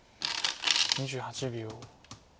２８秒。